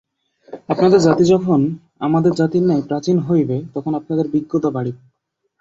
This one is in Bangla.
আপনাদের জাতি যখন আমাদের জাতির ন্যায় প্রাচীন হইবে, তখন আপনাদের বিজ্ঞতা বাড়িবে।